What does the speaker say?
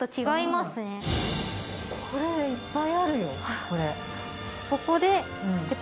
これいっぱいあるよこれ。